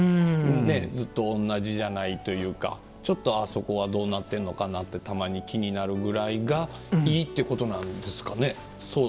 ずっと同じじゃないというかちょっとあそこはどうなっているのかなとたまに気になるぐらいがいいってことなんですかね。